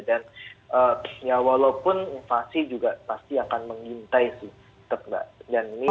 dan ya walaupun inflasi juga pasti akan mengintai sih